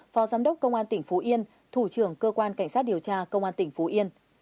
phó giám đốc công an tỉnh phú yên thủ trưởng cơ quan cảnh sát điều tra công an tỉnh phú yên